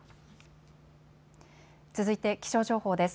続いて気象情報です。